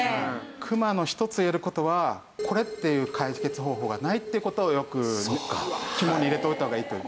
クマの一つ言える事はこれっていう解決方法がないっていう事をよく肝に入れておいた方がいいという。